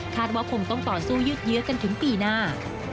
ว่าคงต้องต่อสู้ยืดเยื้อกันถึงปีหน้า